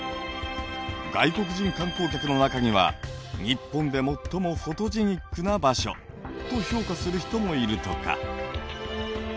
外国人観光客の中には日本で最もフォトジェニックな場所と評価する人もいるとか。